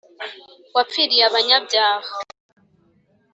Wapfiriy’ abanyabyaha,